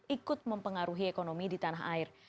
ikut mempengaruhi ekonomi di tanah air